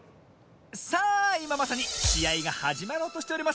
さあいままさにしあいがはじまろうとしております。